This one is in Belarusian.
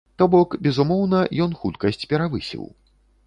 То бок, безумоўна, ён хуткасць перавысіў.